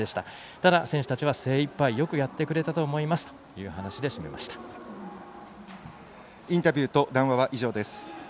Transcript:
ただ選手たちは精いっぱい、よくやってくれたとインタビューと談話は以上です。